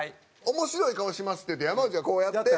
面白い顔しますっていって山内がこうやって。